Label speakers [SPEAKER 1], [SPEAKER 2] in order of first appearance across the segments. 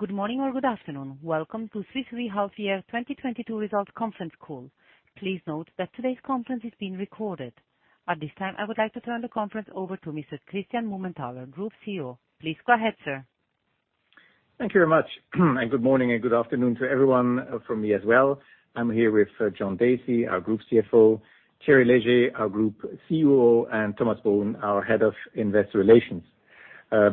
[SPEAKER 1] Good morning or good afternoon. Welcome to Swiss Re half year 2022 results conference call. Please note that today's conference is being recorded. At this time, I would like to turn the conference over to Mr. Christian Mumenthaler, Group CEO. Please go ahead, sir.
[SPEAKER 2] Thank you very much and good morning and good afternoon to everyone from me as well. I'm here with John Dacey, our Group CFO, Thierry Léger, our Group CUO, and Thomas Bohun, our Head of Investor Relations.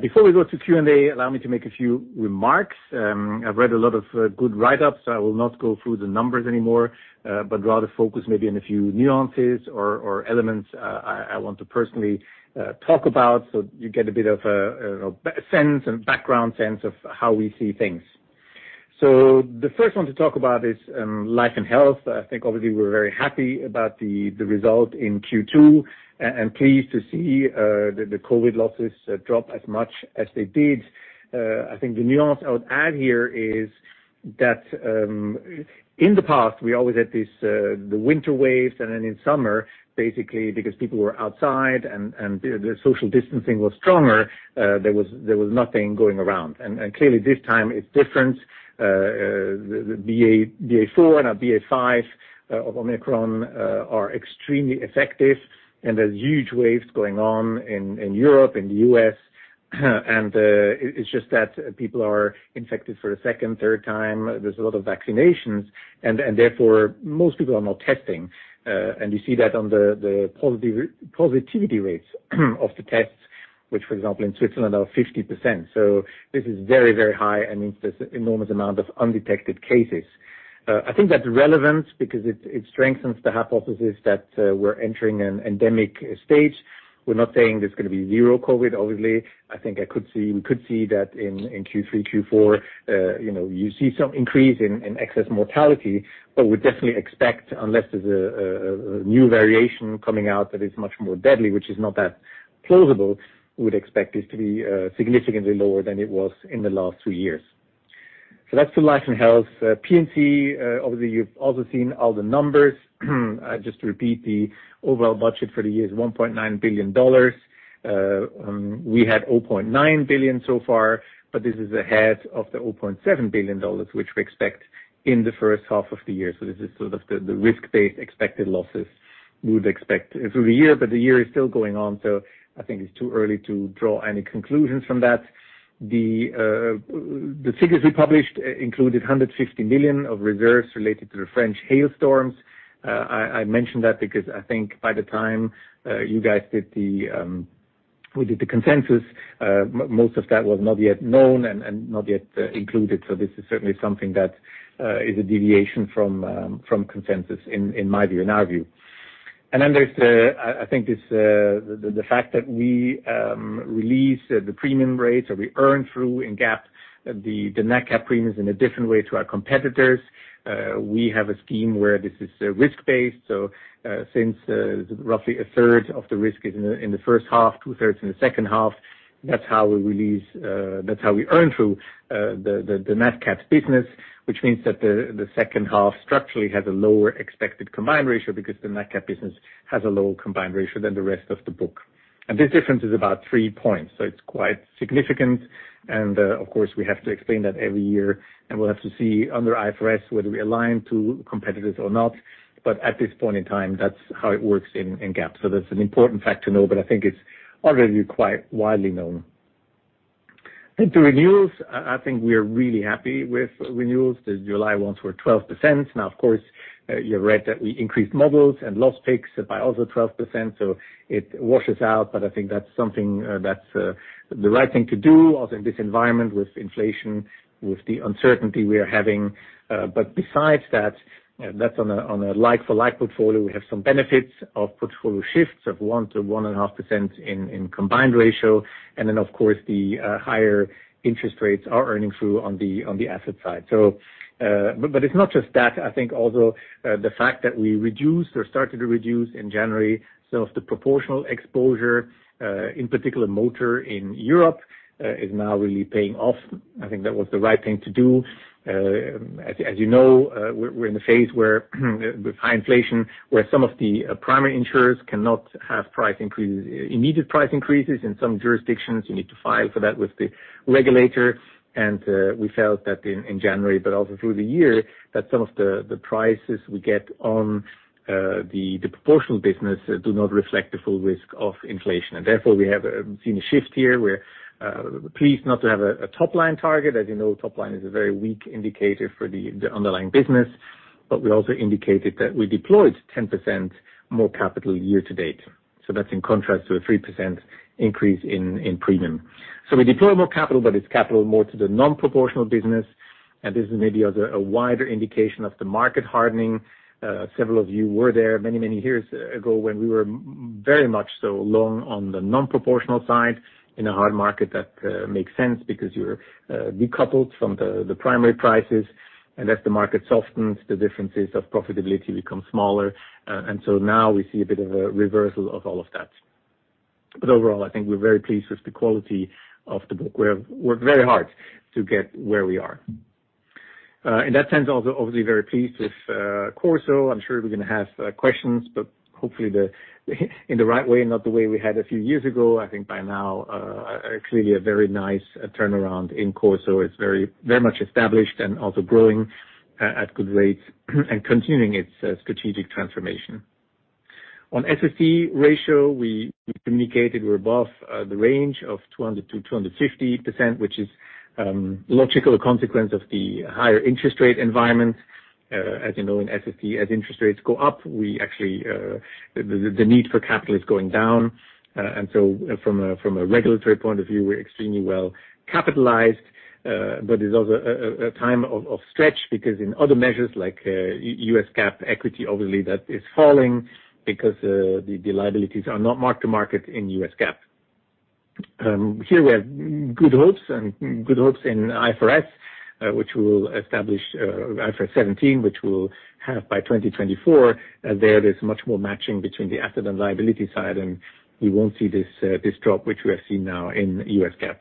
[SPEAKER 2] Before we go to Q&A, allow me to make a few remarks. I've read a lot of good write-ups. I will not go through the numbers anymore, but rather focus maybe on a few nuances or elements I want to personally talk about so you get a bit of a sense and background sense of how we see things. The first one to talk about is life and health. I think obviously we're very happy about the result in Q2 and pleased to see the COVID losses drop as much as they did. I think the nuance I would add here is that, in the past, we always had this, the winter waves, and then in summer, basically, because people were outside and the social distancing was stronger, there was nothing going around. Clearly this time it's different, the BA.4 and now BA.5 of Omicron are extremely effective, and there's huge waves going on in Europe, in the U.S., and it's just that people are infected for a second, third time. There's a lot of vaccinations and therefore, most people are not testing. And you see that on the positivity rates of the tests, which, for example, in Switzerland are 50%. This is very high and means there's enormous amount of undetected cases. I think that's relevant because it strengthens the hypothesis that we're entering an endemic stage. We're not saying there's going to be zero COVID, obviously. I think we could see that in Q3, Q4, you know, you see some increase in excess mortality. But we definitely expect, unless there's a new variation coming out that is much more deadly, which is not that plausible, we would expect this to be significantly lower than it was in the last two years. So that's the Life and Health. P&C, obviously, you've also seen all the numbers. Just to repeat the overall budget for the year is $1.9 billion. We had $0.9 billion so far, but this is ahead of the $0.7 billion, which we expect in the first half of the year. This is sort of the risk-based expected losses we would expect through the year. The year is still going on, so I think it's too early to draw any conclusions from that. The figures we published included $150 million of reserves related to the French hailstorms. I mentioned that because I think by the time we did the consensus, most of that was not yet known and not yet included. This is certainly something that is a deviation from consensus in my view, in our view. I think this the fact that we release the premium rates or we earn through in GAAP, the Nat Cat premiums in a different way to our competitors. We have a scheme where this is risk-based. Since roughly a third of the risk is in the first half, two thirds in the second half, that's how we release, that's how we earn through, the Nat Cat business, which means that the second half structurally has a lower expected combined ratio because the Nat Cat business has a lower combined ratio than the rest of the book. This difference is about 3 points, so it's quite significant. Of course, we have to explain that every year, and we'll have to see under IFRS whether we align to competitors or not. At this point in time, that's how it works in GAAP. That's an important fact to know. I think it's already quite widely known. I think the renewals. I think we are really happy with renewals. The July ones were 12%. Now, of course, you read that we increased models and loss picks by also 12%, so it washes out. I think that's something that's the right thing to do also in this environment with inflation, with the uncertainty we are having. Besides that's on a like for like portfolio, we have some benefits of portfolio shifts of 1%-1.5% in combined ratio. Then, of course, the higher interest rates are earning through on the asset side. But it's not just that. I think also the fact that we reduced or started to reduce in January some of the proportional exposure, in particular motor in Europe, is now really paying off. I think that was the right thing to do. As you know, we're in a phase where with high inflation, where some of the primary insurers cannot have price increases, immediate price increases. In some jurisdictions, you need to file for that with the regulator. We felt that in January, but also through the year, that some of the prices we get on the proportional business do not reflect the full risk of inflation. Therefore, we have seen a shift here. We're pleased not to have a top line target. As you know, top line is a very weak indicator for the underlying business. We also indicated that we deployed 10% more capital year to date. That's in contrast to the 3% increase in premium. We deploy more capital, but it's capital more to the non-proportional business. This is maybe a wider indication of the market hardening. Several of you were there many years ago when we were very much so long on the non-proportional side. In a hard market that makes sense because you're decoupled from the primary prices, and as the market softens, the differences of profitability become smaller. Now we see a bit of a reversal of all of that. Overall, I think we're very pleased with the quality of the book. We have worked very hard to get where we are. In that sense also obviously very pleased with CorSo. I'm sure we're gonna have questions, but hopefully in the right way, not the way we had a few years ago. I think by now clearly a very nice turnaround in CorSo. It's very much established and also growing at good rates and continuing its strategic transformation. On SST ratio, we communicated we're above the range of 200%-250%, which is logical consequence of the higher interest rate environment. As you know, in SST, as interest rates go up, we actually the need for capital is going down. From a regulatory point of view, we're extremely well capitalized, but it is also a time of stretch because in other measures like U.S. GAAP equity, obviously that is falling because the liabilities are not mark to market in U.S. GAAP. Here we have good hopes in IFRS, which we'll establish, IFRS 17, which we'll have by 2024. There's much more matching between the asset and liability side, and we won't see this drop, which we have seen now in U.S. GAAP.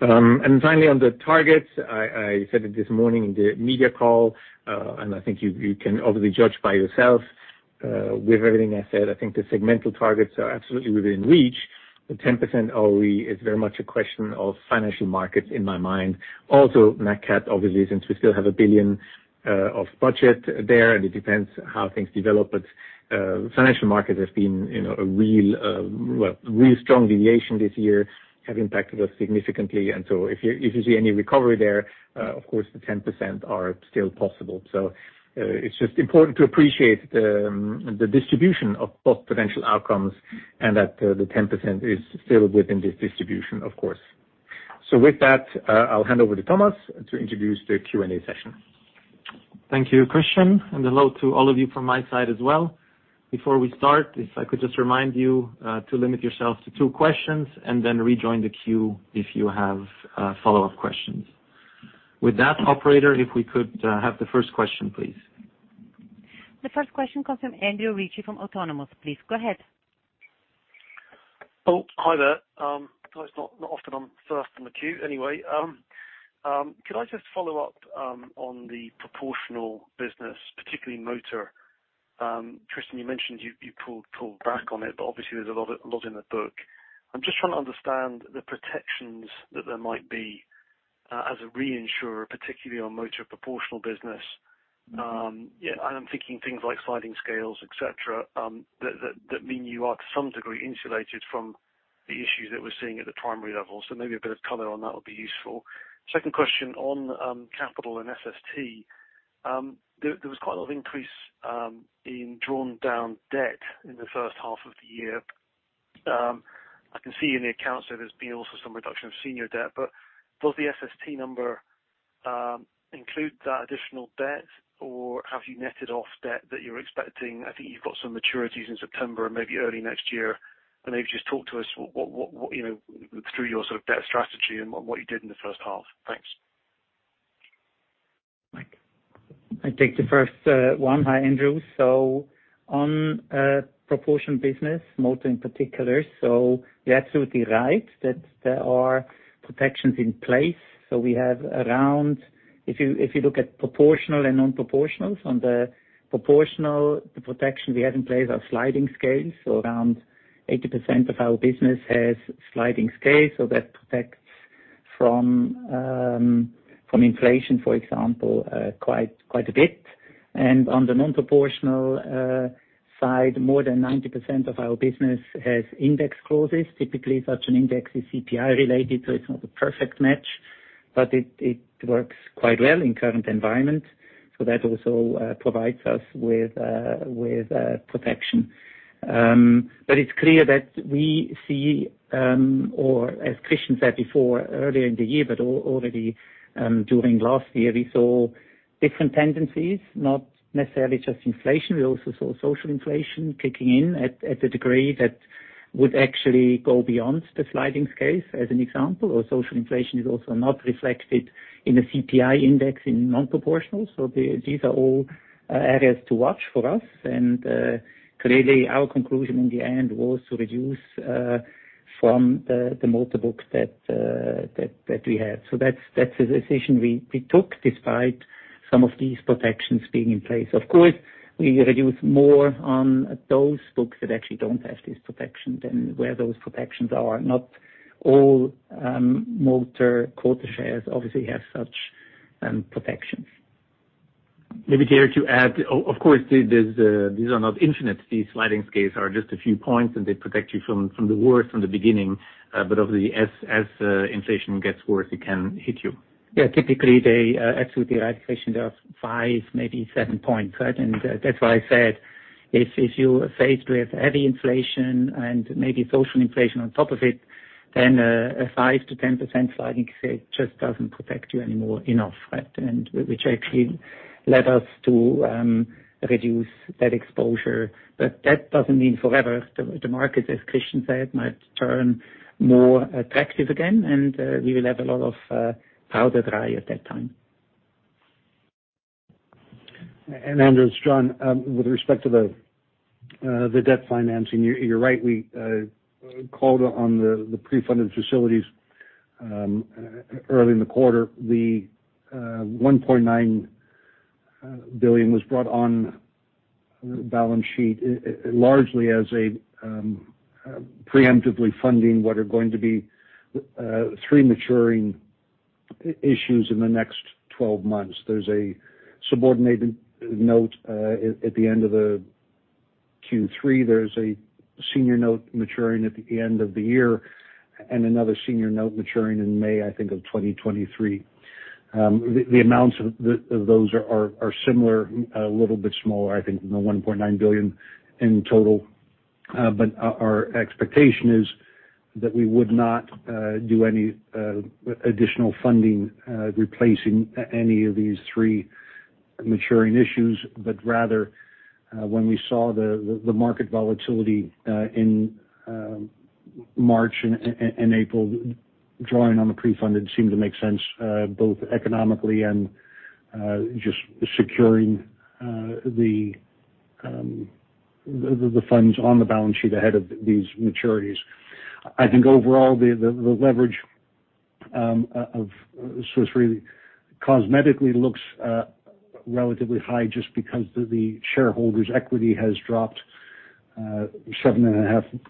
[SPEAKER 2] Finally, on the targets, I said it this morning in the media call, and I think you can obviously judge by yourself, with everything I said, I think the segmental targets are absolutely within reach. The 10% OE is very much a question of financial markets in my mind. Also, Nat Cat, obviously, since we still have 1 billion of budget there, and it depends how things develop. Financial markets have been, you know, a real, well, real strong deviation this year, have impacted us significantly. If you see any recovery there, of course, the 10% are still possible. It's just important to appreciate the distribution of both potential outcomes and that the 10% is still within this distribution, of course. With that, I'll hand over to Thomas to introduce the Q&A session.
[SPEAKER 3] Thank you, Christian, and hello to all of you from my side as well. Before we start, if I could just remind you to limit yourself to two questions and then rejoin the queue if you have follow-up questions. With that, operator, if we could have the first question, please.
[SPEAKER 1] The first question comes from Andrew Ritchie from Autonomous. Please go ahead.
[SPEAKER 4] Oh, hi there. It's not often I'm first in the queue. Anyway, could I just follow up on the proportional business, particularly motor? Christian, you mentioned you pulled back on it, but obviously there's a lot in the book. I'm just trying to understand the protections that there might be as a reinsurer, particularly on motor proportional business. Yeah, I'm thinking things like sliding scales, et cetera, that mean you are to some degree insulated from the issues that we're seeing at the primary level. So maybe a bit of color on that would be useful. Second question on capital and SST. There was quite a lot of increase in drawn down debt in the first half of the year. I can see in the accounts there's been also some reduction of senior debt. Does the SST number include that additional debt, or have you netted off debt that you're expecting? I think you've got some maturities in September and maybe early next year. Maybe just talk to us what you know through your sort of debt strategy and what you did in the first half. Thanks.
[SPEAKER 2] Mike.
[SPEAKER 5] I take the first one. Hi, Andrew. On proportional business, motor in particular, you're absolutely right that there are protections in place. We have around, if you look at proportional and non-proportionals, on the proportional, the protection we have in place are sliding scales. Around 80% of our business has sliding scale, so that protects from inflation, for example, quite a bit. On the non-proportional side, more than 90% of our business has index clauses. Typically, such an index is CPI related, so it's not a perfect match, but it works quite well in current environment. That also provides us with protection. It's clear that we see, or as Christian said before, earlier in the year, but already, during last year, we saw different tendencies, not necessarily just inflation. We also saw social inflation kicking in at a degree that would actually go beyond the sliding scale, as an example, or social inflation is also not reflected in the CPI index in non-proportional. These are all areas to watch for us. Clearly, our conclusion in the end was to reduce from the motor books that we had. That's a decision we took despite some of these protections being in place. Of course, we reduce more on those books that actually don't have these protections than where those protections are. Not all motor quota shares obviously have such protections.
[SPEAKER 2] Of course, these are not infinite. These sliding scales are just a few points, and they protect you from the worst from the beginning. Obviously, as inflation gets worse, it can hit you.
[SPEAKER 5] Yeah. Typically, they're absolutely right, Christian. There are five, maybe seven points, right? That's why I said if you are faced with heavy inflation and maybe social inflation on top of it, then a 5%-10% sliding scale just doesn't protect you anymore enough, right? Which actually led us to reduce that exposure. That doesn't mean forever. The market, as Christian said, might turn more attractive again, and we will have a lot of powder dry at that time.
[SPEAKER 6] Andrew, it's John. With respect to the debt financing, you're right. We called on the pre-funded facilities early in the quarter. The 1.9 billion was brought on balance sheet, largely as a preemptively funding what are going to be three maturing issues in the next 12 months. There's a subordinated note at the end of Q3. There's a senior note maturing at the end of the year, and another senior note maturing in May 2023. The amounts of those are similar, a little bit smaller, I think, than the 1.9 billion in total. But our expectation is that we would not do any additional funding replacing any of these three maturing issues. Rather, when we saw the market volatility in March and April, drawing on the pre-funded seemed to make sense, both economically and just securing the funds on the balance sheet ahead of these maturities. I think overall, the leverage of Swiss Re cosmetically looks relatively high just because the shareholders' equity has dropped 7.5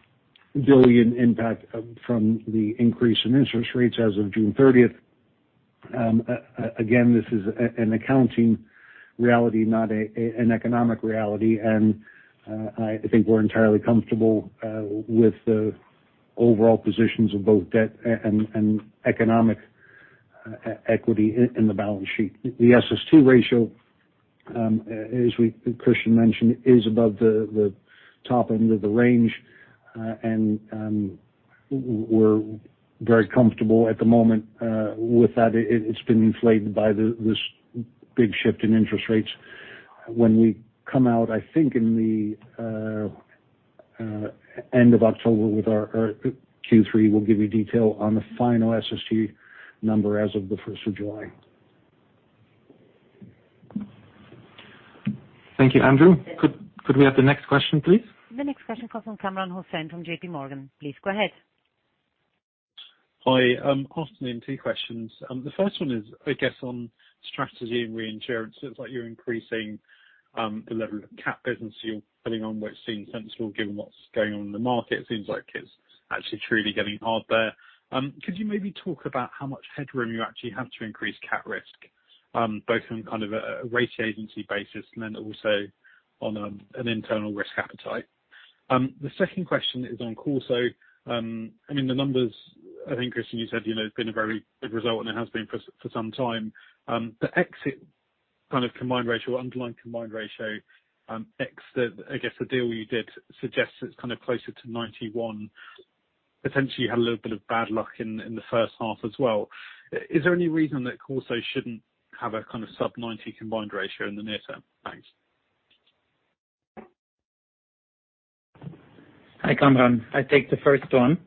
[SPEAKER 6] billion impact from the increase in interest rates as of June thirtieth. Again, this is an accounting reality, not an economic reality. I think we're entirely comfortable with the overall positions of both debt and economic equity in the balance sheet. The SST ratio, as Christian mentioned, is above the top end of the range. We're very comfortable at the moment with that. It's been inflated by this big shift in interest rates. When we come out, I think, in the end of October with our Q3, we'll give you detail on the final SST number as of the first of July.
[SPEAKER 3] Thank you, Andrew. Could we have the next question, please?
[SPEAKER 1] The next question comes from Kamran Hossain from J.P. Morgan. Please go ahead.
[SPEAKER 7] Hi. Christian, two questions. The first one is, I guess, on strategy and reinsurance. It's like you're increasing the level of cat business you're putting on what seems sensible, given what's going on in the market. It seems like it's actually truly getting hard there. Could you maybe talk about how much headroom you actually have to increase cat risk, both from kind of a rating agency basis and then also on an internal risk appetite? The second question is on Corporate Solutions. I mean, the numbers, I think, Christian, you said, you know, have been a very good result, and it has been for some time. The exit kind of combined ratio, underlying combined ratio, ex the, I guess, the deal you did suggests it's kind of closer to 91%. Potentially, you had a little bit of bad luck in the first half as well. Is there any reason that Corporate Solutions shouldn't have a kind of sub-90% combined ratio in the near term? Thanks.
[SPEAKER 5] Hi, Kamran. I take the first one.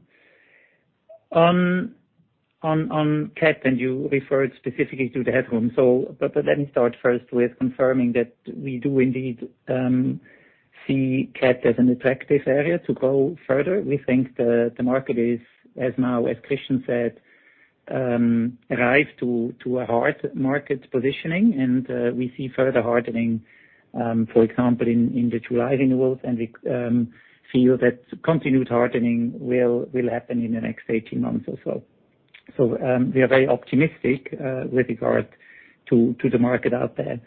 [SPEAKER 5] On cat, and you referred specifically to the headroom. But let me start first with confirming that we do indeed see cat as an attractive area to grow further. We think the market has now, as Christian said, arrived at a hard market positioning. We see further hardening, for example, in the two renewals. We feel that continued hardening will happen in the next 18 months or so. We are very optimistic with regard to the market out there.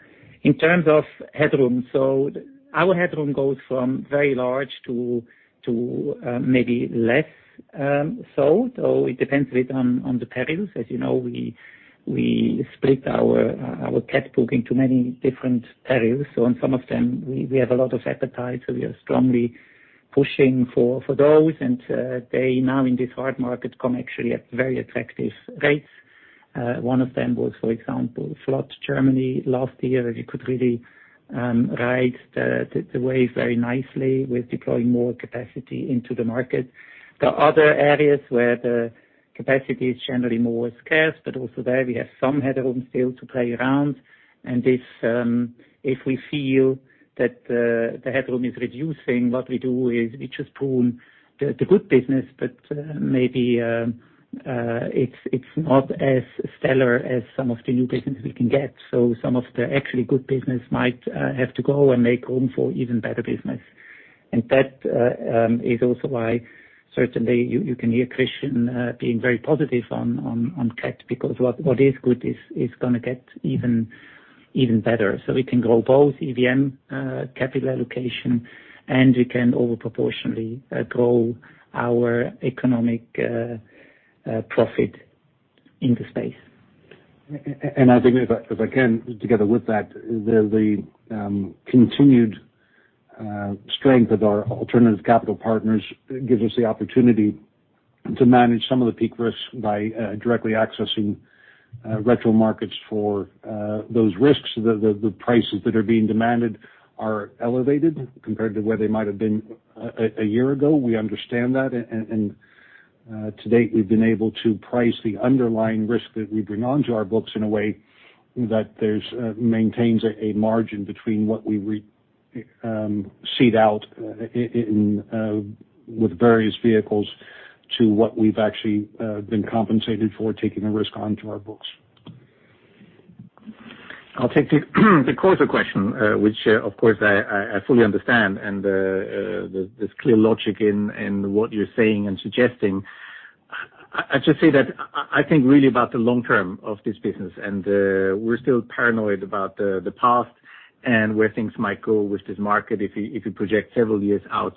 [SPEAKER 5] In terms of headroom, our headroom goes from very large to maybe less so. It depends a bit on the perils. As you know, we split our cat book into many different perils. On some of them, we have a lot of appetite, so we are strongly pushing for those. They now in this hard market come actually at very attractive rates. One of them was, for example, Flood Germany last year. We could really ride the wave very nicely with deploying more capacity into the market. There are other areas where the capacity is generally more scarce, but also there we have some headroom still to play around. If we feel that the headroom is reducing, what we do is we just prune the good business. Maybe it's not as stellar as some of the new business we can get. Some of the actually good business might have to go and make room for even better business. That is also why certainly you can hear Christian being very positive on cat, because what is good is gonna get even better. We can grow both EVM capital allocation, and we can over proportionally grow our economic profit in the space.
[SPEAKER 6] I think if I can, together with that, the continued strength of our alternative capital partners gives us the opportunity to manage some of the peak risks by directly accessing retro markets for those risks. The prices that are being demanded are elevated compared to where they might have been a year ago. We understand that, to date, we've been able to price the underlying risk that we bring onto our books in a way that there maintains a margin between what we cede out in with various vehicles to what we've actually been compensated for taking a risk onto our books.
[SPEAKER 5] I'll take the Corporate Solutions question, which, of course I fully understand and there's clear logic in what you're saying and suggesting. I just say that I think really about the long term of this business, and we're still paranoid about the past and where things might go with this market if you project several years out.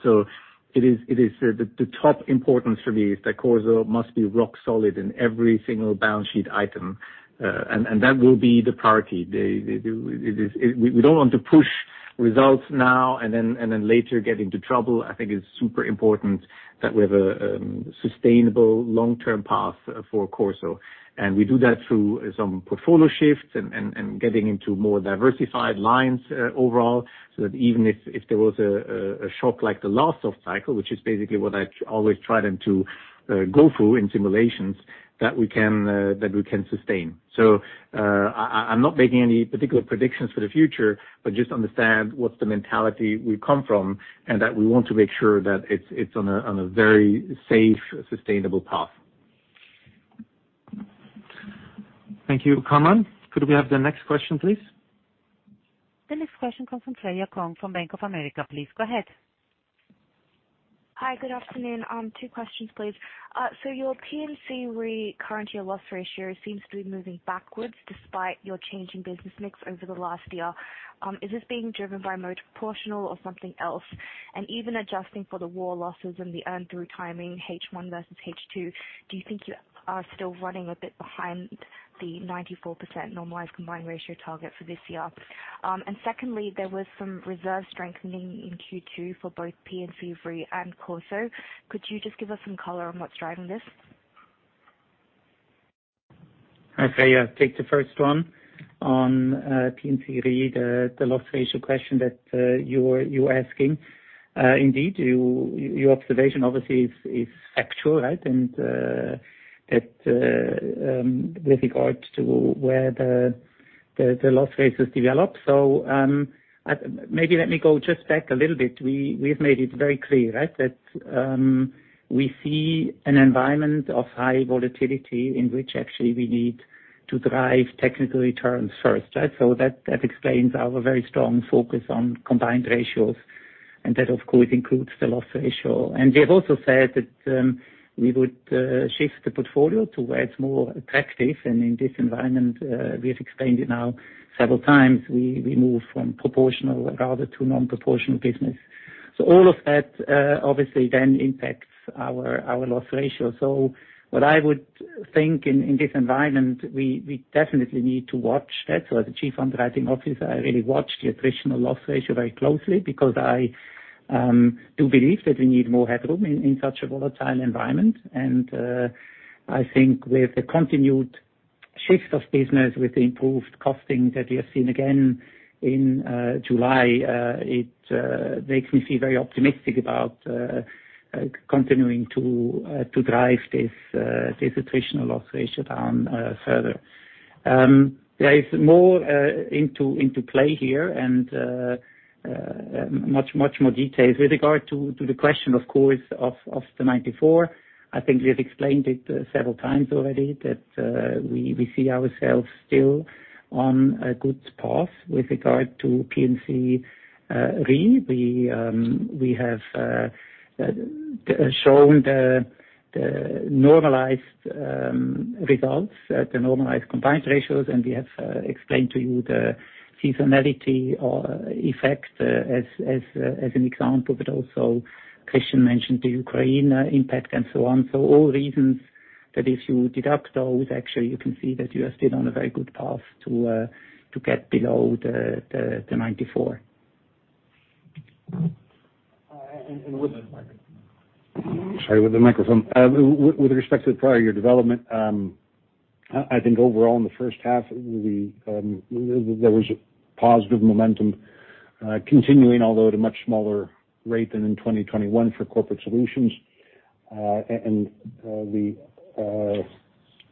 [SPEAKER 5] It is the top importance for me is that Corporate Solutions must be rock solid in every single balance sheet item. That will be the priority. It is we don't want to push results now and then later get into trouble. I think it's super important that we have a sustainable long-term path for Corporate Solutions. We do that through some portfolio shifts and getting into more diversified lines overall, so that even if there was a shock like the last soft cycle, which is basically what I always try to get them to go through in simulations that we can sustain. So, I'm not making any particular predictions for the future, but just understand what's the mentality we come from, and that we want to make sure that it's on a very safe, sustainable path. Thank you. Carmen, could we have the next question, please?
[SPEAKER 1] The next question comes from Freya Kong from Bank of America. Please go ahead.
[SPEAKER 8] Hi, good afternoon. Two questions, please. Your P&C Re current year loss ratio seems to be moving backwards despite your changing business mix over the last year. Is this being driven by more proportional or something else? Even adjusting for the war losses and the earn through timing, H1 versus H2, do you think you are still running a bit behind the 94% normalized combined ratio target for this year? Secondly, there was some reserve strengthening in Q2 for both P&C Re and Corporate Solutions. Could you just give us some color on what's driving this?
[SPEAKER 5] Okay, yeah. Take the first one on P&C Re, the loss ratio question that you were asking. Indeed, your observation obviously is factual, right? That with regard to where the loss ratios develop. Maybe let me go just back a little bit. We've made it very clear, right, that we see an environment of high volatility in which actually we need to drive technical returns first, right? That explains our very strong focus on combined ratios, and that of course includes the loss ratio. We have also said that we would shift the portfolio to where it's more attractive. In this environment, we have explained it now several times, we move from proportional rather to non-proportional business. All of that obviously then impacts our loss ratio. What I would think in this environment, we definitely need to watch that. As the Chief Underwriting Officer, I really watch the attritional loss ratio very closely because I do believe that we need more headroom in such a volatile environment. I think with the continued shift of business, with the improved costing that we have seen again in July, it makes me feel very optimistic about continuing to drive this attritional loss ratio down further. There is more to play here and much more details. With regard to the question, of course, of the 94, I think we have explained it several times already that we see ourselves still on a good path with regard to P&C Re. We have shown the normalized results, the normalized combined ratios, and we have explained to you the seasonality or effect as an example, but also Christian mentioned the Ukraine impact and so on. All reasons that if you deduct those, actually you can see that you are still on a very good path to get below the 94.
[SPEAKER 6] Uh, and with-
[SPEAKER 5] Use the microphone.
[SPEAKER 6] With respect to the prior year development, I think overall in the first half there was a positive momentum continuing, although at a much smaller rate than in 2021 for Corporate Solutions. The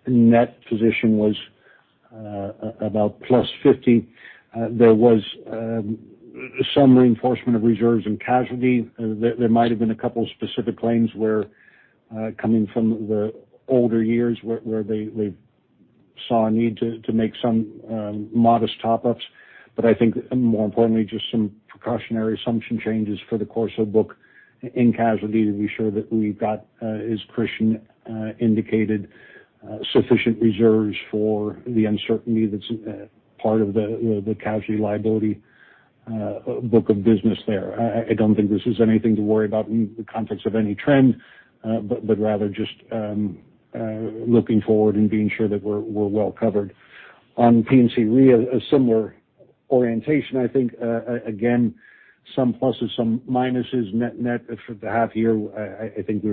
[SPEAKER 6] net position was about +50. There was some reinforcement of reserves in casualty. There might have been a couple specific claims coming from the older years where they saw a need to make some modest top ups. I think more importantly, just some precautionary assumption changes for the core book in casualty to be sure that we've got, as Christian indicated, sufficient reserves for the uncertainty that's part of the casualty liability book of business there. I don't think this is anything to worry about in the context of any trend, but rather just looking forward and being sure that we're well covered. On P&C Re, a similar orientation. I think again, some pluses, some minuses. Net for the half year, I think we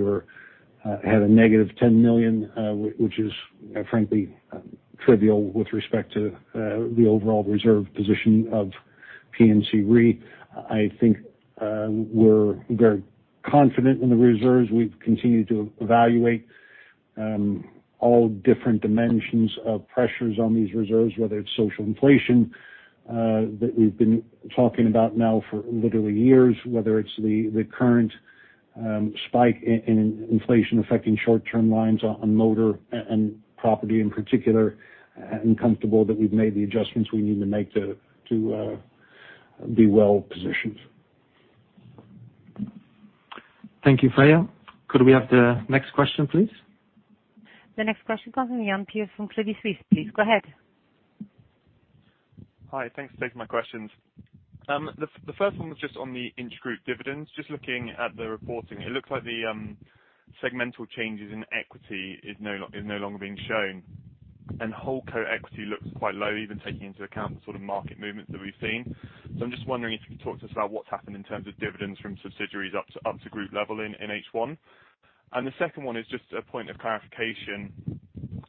[SPEAKER 6] had a negative 10 million, which is frankly trivial with respect to the overall reserve position of P&C Re. I think we're very confident in the reserves. We've continued to evaluate all different dimensions of pressures on these reserves, whether it's social inflation that we've been talking about now for literally years, whether it's the current spike in inflation affecting short-term lines on motor and property in particular, and comfortable that we've made the adjustments we need to make to be well positioned.
[SPEAKER 3] Thank you, Freya. Could we have the next question, please?
[SPEAKER 1] The next question comes from Iain Pearce from Credit Suisse, please go ahead.
[SPEAKER 9] Hi, thanks for taking my questions. The first one was just on the intra-group dividends. Just looking at the reporting, it looks like the segmental changes in equity is no longer being shown, and holding co-equity looks quite low, even taking into account the sort of market movements that we've seen. I'm just wondering if you could talk to us about what's happened in terms of dividends from subsidiaries up to group level in H1. The second one is just a point of clarification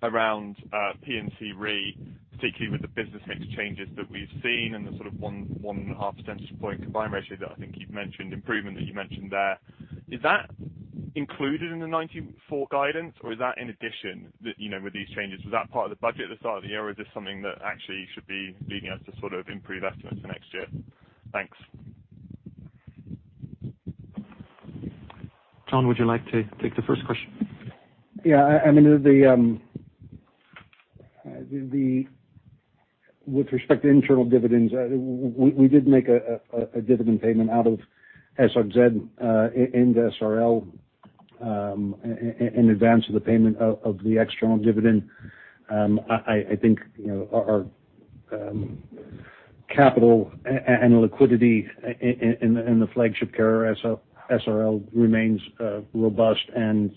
[SPEAKER 9] around P&C Re, particularly with the business mix changes that we've seen and the sort of one and a half percentage point combined ratio improvement that you mentioned there. Is that included in the 94 guidance or is that in addition? That, you know, with these changes, was that part of the budget at the start of the year? Or is this something that actually should be leading us to sort of improve estimates for next year? Thanks.
[SPEAKER 3] Thomas, would you like to take the first question?
[SPEAKER 6] With respect to internal dividends, we did make a dividend payment out of SRZ in SRL in advance of the payment of the external dividend. I think, you know, our capital and liquidity in the flagship carrier SRL remains robust and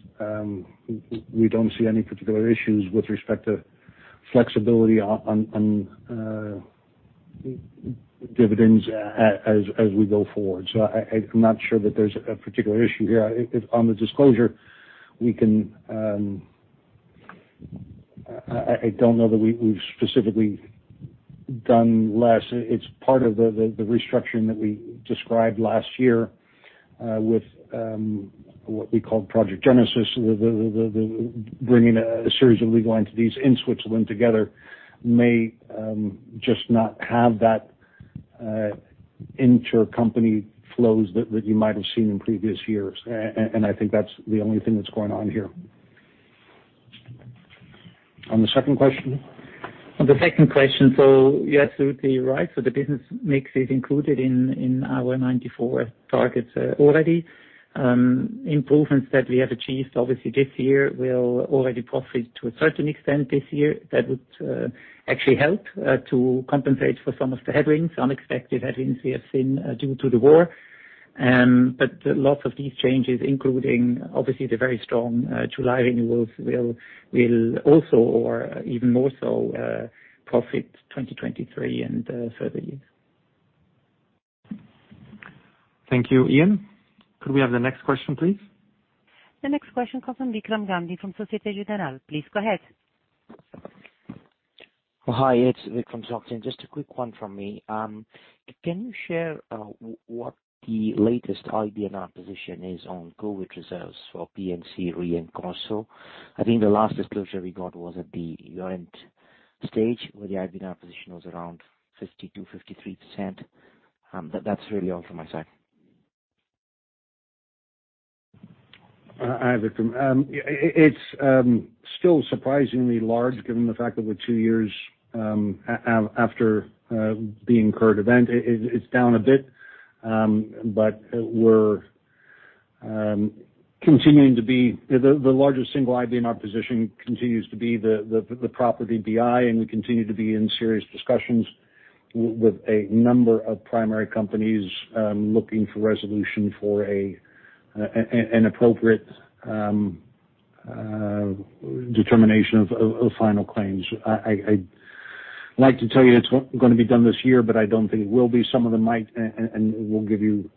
[SPEAKER 6] we don't see any particular issues with respect to flexibility on dividends as we go forward. I'm not sure that there's a particular issue here. If on the disclosure we can. I don't know that we've specifically done less. It's part of the restructuring that we described last year with what we called Project Genesis. The bringing a series of legal entities in Switzerland together may just not have that intercompany flows that you might have seen in previous years. I think that's the only thing that's going on here. On the second question.
[SPEAKER 5] On the second question. You're absolutely right. The business mix is included in our 94 targets already. Improvements that we have achieved obviously this year will already benefit to a certain extent this year. That would actually help to compensate for some of the headwinds, unexpected headwinds we have seen due to the war. Lots of these changes, including obviously the very strong July renewals will also or even more so benefit 2023 and further years.
[SPEAKER 3] Thank you, Iain. Could we have the next question, please?
[SPEAKER 1] The next question comes from Vinit Malhotra from Société Générale. Please go ahead.
[SPEAKER 10] Hi, it's Vinit. Just a quick one from me. Can you share what the latest IBNR position is on COVID reserves for P&C Re and Corporate Solutions? I think the last disclosure we got was at the year-end stage, where the IBNR position was around 50%-53%. That's really all from my side.
[SPEAKER 6] Hi, Vinit. It's still surprisingly large given the fact that we're two years after the incurred event. It's down a bit, but the largest single IBNR position continues to be the property BI, and we continue to be in serious discussions with a number of primary companies, looking for resolution for an appropriate determination of final claims. I'd like to tell you it's gonna be done this year, but I don't think it will be. Some of them might. We'll give you,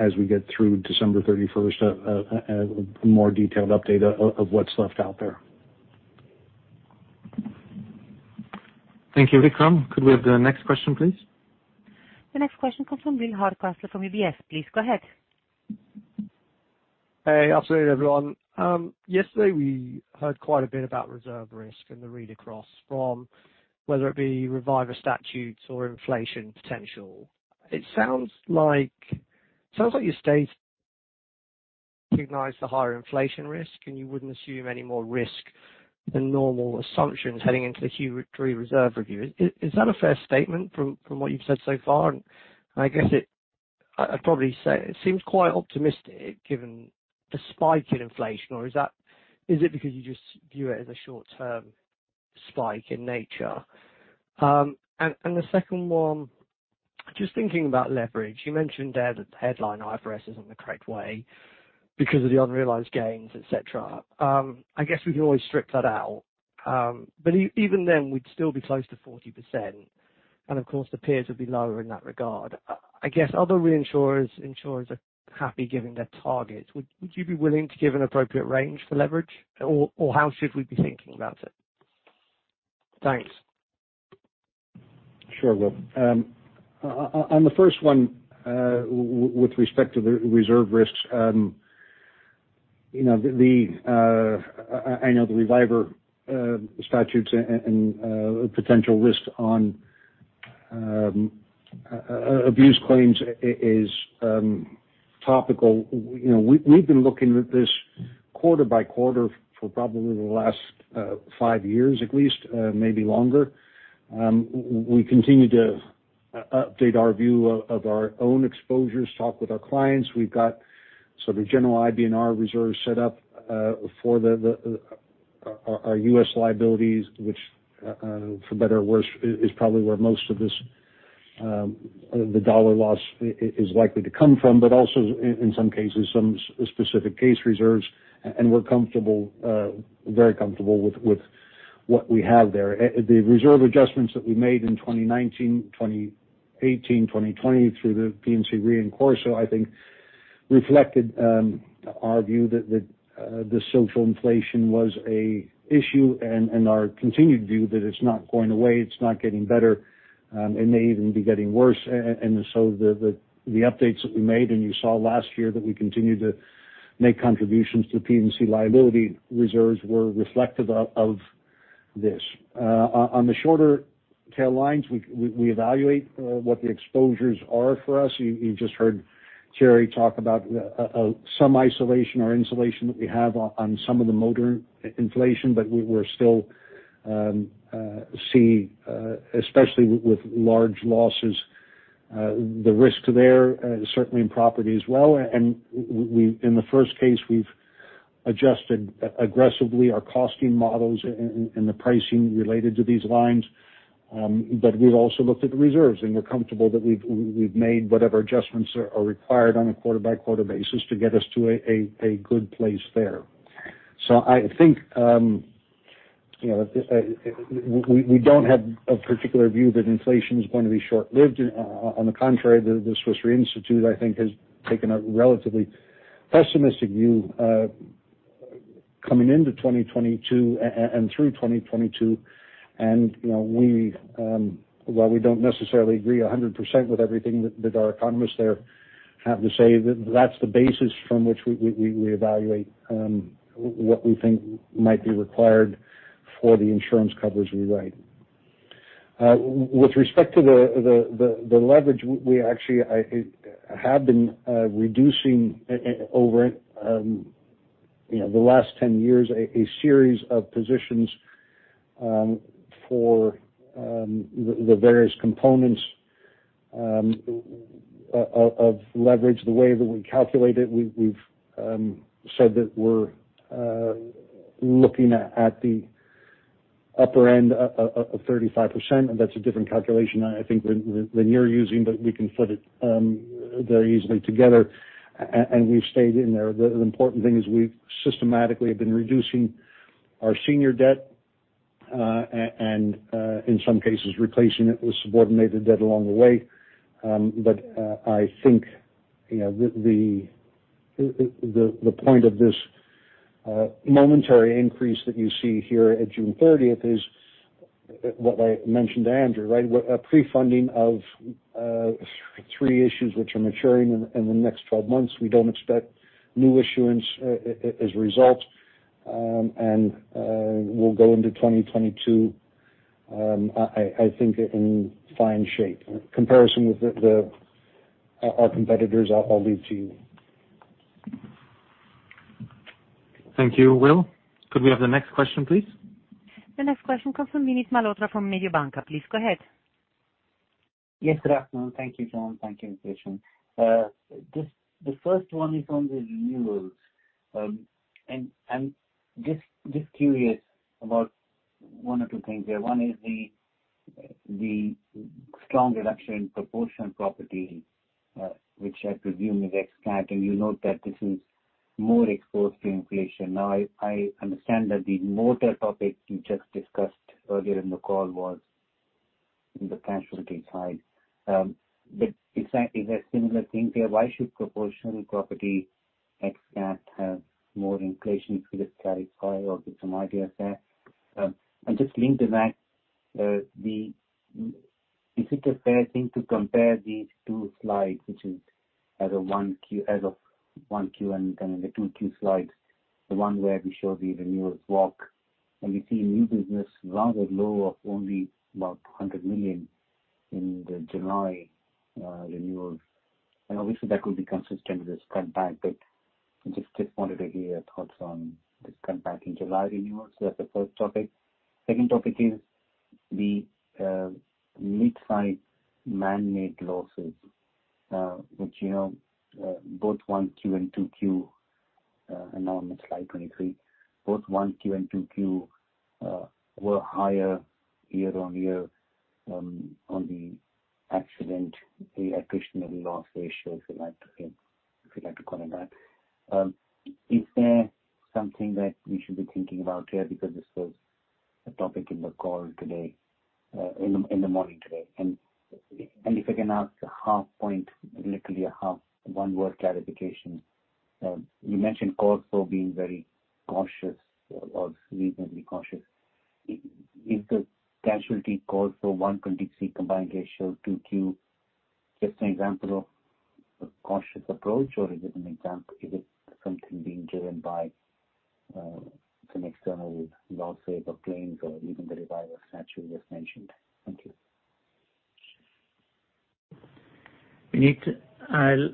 [SPEAKER 6] as we get through December 31st, a more detailed update of what's left out there.
[SPEAKER 3] Thank you, Vinit. Could we have the next question, please?
[SPEAKER 1] The next question comes from Will Hardcastle from UBS. Please go ahead.
[SPEAKER 11] Hey, absolutely, everyone. Yesterday we heard quite a bit about reserve risk and the read across from whether it be reviver statutes or inflation potential. It sounds like you say you recognize the higher inflation risk, and you wouldn't assume any more risk than normal assumptions heading into the Q3 reserve review. Is that a fair statement from what you've said so far? I guess I'd probably say it seems quite optimistic given the spike in inflation, or is it because you just view it as a short-term spike in nature? The second one, just thinking about leverage, you mentioned there that the headline IFRS isn't the correct way because of the unrealized gains, et cetera. I guess we can always strip that out. Even then, we'd still be close to 40% and of course the peers would be lower in that regard. I guess other reinsurers, insurers are happy giving their targets. Would you be willing to give an appropriate range for leverage? Or how should we be thinking about it?
[SPEAKER 1] Thanks.
[SPEAKER 6] Sure, Will. On the first one, with respect to the reserve risks, you know, I know the reviver statutes and potential risks on abuse claims is topical. You know, we've been looking at this quarter by quarter for probably the last five years, at least, maybe longer. We continue to update our view of our own exposures, talk with our clients. We've got sort of general IBNR reserves set up for our U.S. liabilities, which, for better or worse, is probably where most of this dollar loss is likely to come from, but also in some cases, some specific case reserves. We're comfortable, very comfortable with what we have there. The reserve adjustments that we made in 2019, 2018, 2020 through the P&C Re, of course, I think reflected our view that the social inflation was an issue, and our continued view that it's not going away, it's not getting better, it may even be getting worse. The updates that we made, and you saw last year that we continued to make contributions to P&C liability reserves, were reflective of this. On the shorter tail lines, we evaluate what the exposures are for us. You just heard Thierry talk about some isolation or insulation that we have on some of the motor inflation, but we're still seeing, especially with large losses, the risk there, certainly in property as well. In the first case, we've adjusted aggressively our costing models and the pricing related to these lines. We've also looked at the reserves, and we're comfortable that we've made whatever adjustments are required on a quarter by quarter basis to get us to a good place there. I think, you know, we don't have a particular view that inflation is going to be short lived. On the contrary, the Swiss Re Institute, I think, has taken a relatively pessimistic view, coming into 2022 and through 2022. You know, we while we don't necessarily agree 100% with everything that our economists there have to say, that's the basis from which we evaluate what we think might be required for the insurance covers we write. With respect to the leverage, we actually I have been reducing over you know the last ten years a series of positions for the various components of leverage the way that we calculate it. We've said that we're looking at the upper end of 35%, and that's a different calculation, I think, than you're using, but we can put it very easily together. We've stayed in there. The important thing is we systematically have been reducing our senior debt and in some cases replacing it with subordinated debt along the way. I think you know the point of this momentary increase that you see here at June thirtieth is what I mentioned to Andrew, right? A pre-funding of three issues which are maturing in the next 12 months. We don't expect new issuance as a result, and we'll go into 2022, I think in fine shape. Comparison with our competitors, I'll leave to you.
[SPEAKER 3] Thank you, Will. Could we have the next question, please?
[SPEAKER 1] The next question comes from Vinit Malhotra from Mediobanca. Please go ahead.
[SPEAKER 10] Yes, good afternoon. Thank you, John. Thank you, Christian Mumenthaler. The first one is on the renewals. I'm just curious about one or two things there. One is the strong reduction in proportional property, which I presume is Ex-CAT, and you note that this is more exposed to inflation. I understand that the motor topic you just discussed earlier in the call was in the casualty side. Is that a similar thing there? Why should proportional property Ex-CAT have more inflation through the casualty side? Or give some idea there. Just linked to that, is it a fair thing to compare these two slides, which is as of 1Q and then the 2Q slides, the one where we show the renewals walk, and we see new business rather low of only about 100 million in the July renewals. Obviously, that could be consistent with this cutback. I just wanted to hear your thoughts on this cutback in July renewals. That's the first topic. Second topic is the mid-size manmade losses, which, you know, both 1Q and 2Q and now on Slide 23 were higher year-on-year on the accident, the attribution of the loss ratio, if you like to call it that. Is there something that we should be thinking about here? Because this was a topic in the call today, in the morning today. If I can ask a half point, literally a half, one word clarification, you mentioned cause for being very cautious or reasonably cautious. Is the casualty CorSo 123 combined ratio 2Q, just an example of a cautious approach, or is it something being driven by, some external losses or claims or even the reviver statute you just mentioned? Thank you.
[SPEAKER 5] Vinit, I'll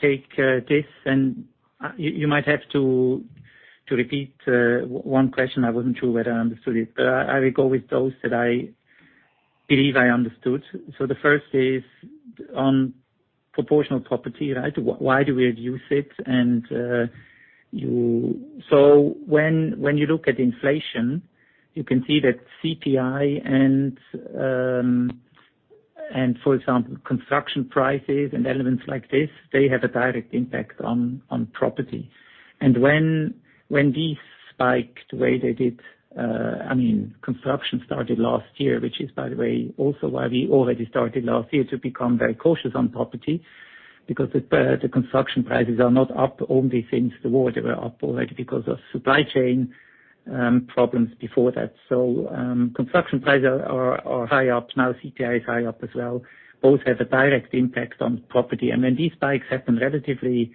[SPEAKER 5] take this, and you might have to repeat one question. I wasn't sure whether I understood it. I will go with those that I believe I understood. The first is on proportional property, right? Why do we reduce it? When you look at inflation, you can see that CPI and for example, construction prices and elements like this, they have a direct impact on property. When these spiked the way they did, I mean, construction started last year, which is by the way, also why we already started last year to become very cautious on property because the construction prices are not up only since the war, they were up already because of supply chain problems before that. Construction prices are high up now, CPI is high up as well. Both have a direct impact on property. When these spikes happen relatively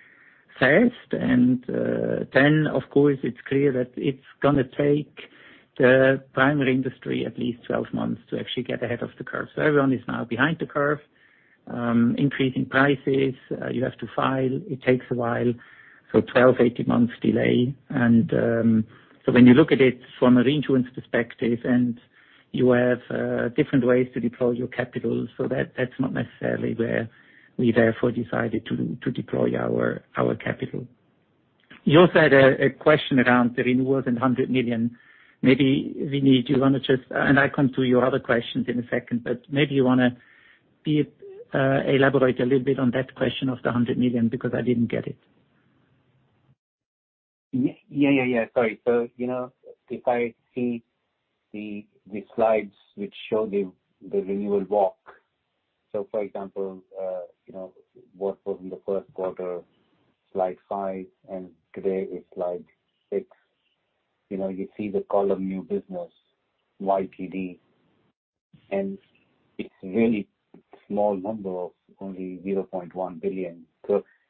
[SPEAKER 5] fast, then, of course, it's clear that it's gonna take the primary industry at least 12 months to actually get ahead of the curve. Everyone is now behind the curve, increasing prices. You have to file, it takes a while, so 12-18 months delay. When you look at it from a reinsurance perspective, and you have different ways to deploy your capital, that's not necessarily where we therefore decided to deploy our capital. You also had a question around the renewals and 100 million. Maybe, Vinit, do you wanna just... I come to your other questions in a second, but maybe you wanna elaborate a little bit on that question of the 100 million, because I didn't get it.
[SPEAKER 10] Yeah. Sorry. You know, if I see the slides which show the renewal walk. For example, you know, what was in the first quarter, Slide five, and today is Slide six. You know, you see the column new business, YTD, and it's really small number of only 0.1 billion.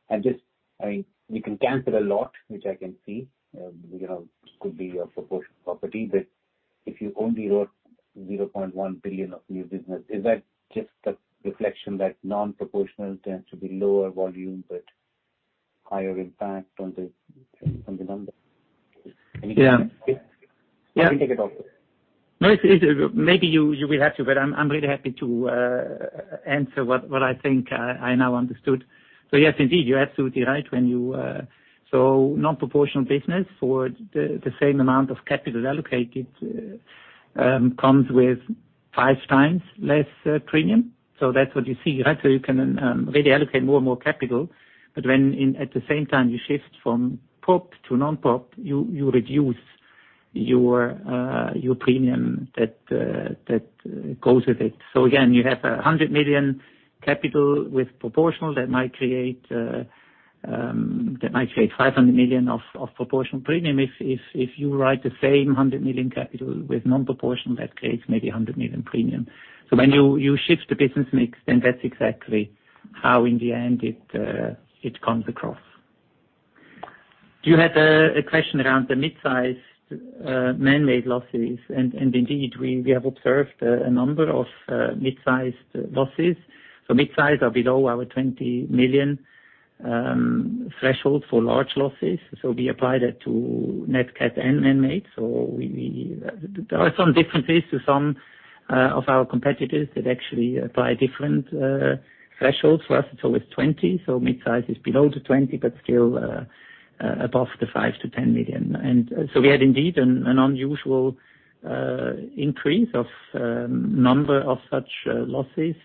[SPEAKER 10] I'm just, I mean, you can cancel a lot, which I can see, you know, could be a proportional property, but if you only wrote 0.1 billion of new business, is that just a reflection that non-proportional tends to be lower volume, but higher impact on the numbers?
[SPEAKER 5] Yeah.
[SPEAKER 10] take it off.
[SPEAKER 5] No, it's. Maybe you will have to, but I'm really happy to answer what I think I now understood. Yes, indeed, you're absolutely right. Non-proportional business for the same amount of capital allocated comes with five times less premium. That's what you see, right? You can really allocate more and more capital. At the same time you shift from prop to non-prop, you reduce your premium that goes with it. Again, you have 100 million capital with proportional that might create 500 million of proportional premium. If you write the same 100 million capital with non-proportional, that creates maybe 100 million premium. When you shift the business mix, then that's exactly how in the end it comes across. You had a question around the mid-sized man-made losses, and indeed we have observed a number of mid-sized losses. Mid-size are below our 20 million threshold for large losses. We apply that to NatCat and man-made. There are some differences to some of our competitors that actually apply different thresholds. For us, it's always 20, so mid-size is below the 20, but still above the 5 million-10 million. We had indeed an unusual increase of number of such losses,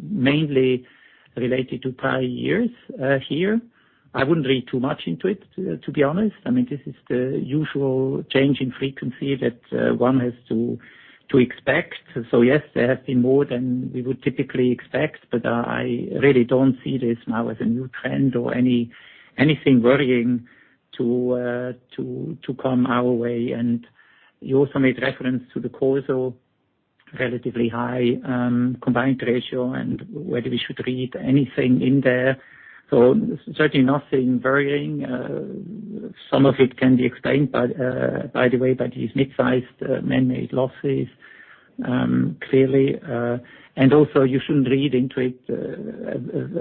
[SPEAKER 5] mainly related to prior years here. I wouldn't read too much into it, to be honest. I mean, this is the usual change in frequency that one has to expect. Yes, there have been more than we would typically expect, but I really don't see this now as a new trend or anything worrying to come our way. You also made reference to the casualty, relatively high combined ratio and whether we should read anything in there. Certainly nothing worrying. Some of it can be explained by these mid-sized man-made losses, clearly. You also shouldn't read into it